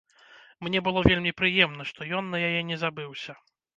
Мне было вельмі прыемна, што ён на яе не забыўся.